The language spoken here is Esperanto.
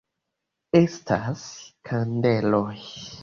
Estas kandeloj!